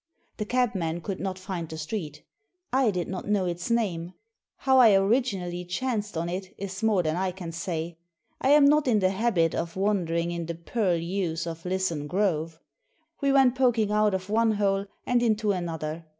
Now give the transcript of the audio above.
The cabman could not find the street I did not know its name; how I originally chanced on it is more than I can say. I am not in the Aaiit of wandering in the purlieus of LIsson Grove. We went poking out of one hole and into another.